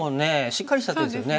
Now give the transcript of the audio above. しっかりした手ですね。